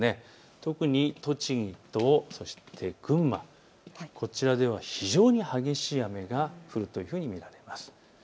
特に栃木と群馬、こちらでは非常に激しい雨が降るというふうに見られます。